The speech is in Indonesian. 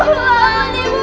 ibu bangun ibu